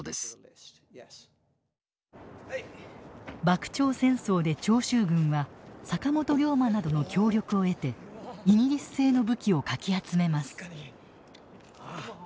幕長戦争で長州軍は坂本龍馬などの協力を得てイギリス製の武器をかき集めます。